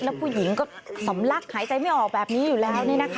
แล้วผู้หญิงก็สำลักหายใจไม่ออกแบบนี้อยู่แล้ว